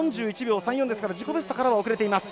４１秒３４ですから自己ベストからは遅れています。